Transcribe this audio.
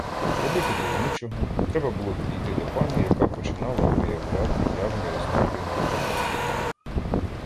Робити було нічого: треба було підійти до пані, яка починала виявляти явні ознаки невдоволення.